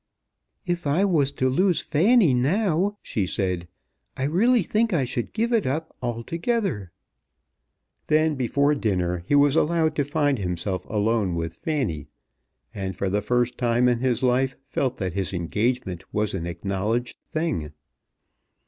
"If I was to lose Fanny now," she said, "I really think I should give it up altogether." Then before dinner he was allowed to find himself alone with Fanny, and for the first time in his life felt that his engagement was an acknowledged thing.